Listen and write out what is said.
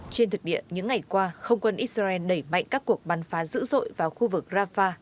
trên thực địa những ngày qua không quân israel đẩy mạnh các cuộc bắn phá dữ dội vào khu vực rafah